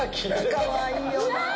かわいいよな。